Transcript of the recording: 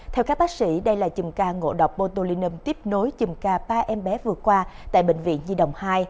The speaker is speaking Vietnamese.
theo các bác sĩ đây là chùm ca ngộ độc botulinum tiếp nối chùm ca ba em bé vừa qua tại bệnh viện di đồng hai